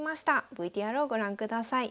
ＶＴＲをご覧ください。